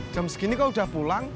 jam segini kok udah pulang